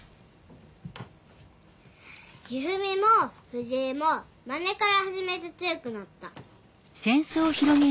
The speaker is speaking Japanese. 一二三も藤井もマネから始めて強くなった。